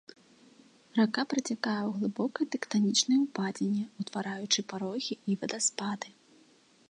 Рака працякае ў глыбокай тэктанічнай упадзіне, утвараючы парогі і вадаспады.